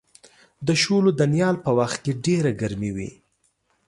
د شولو د نیال په وخت کې ډېره ګرمي وي.